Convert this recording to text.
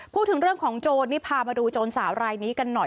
พูดถึงเรื่องของโจรนี่พามาดูโจรสาวรายนี้กันหน่อย